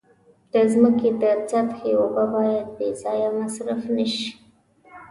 د ځمکې د سطحې اوبه باید بې ځایه مصرف نشي.